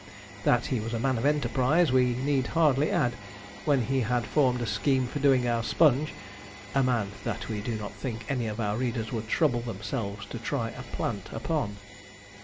That he was a man of enterprise, we need hardly add, when he had formed a scheme for doing our Sponge a man that we do not think any of our readers would trouble themselves to try a 'plant' upon.